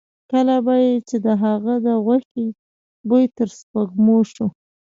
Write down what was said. کله به یې چې د هغه د غوښې بوی تر سپېږمو شو.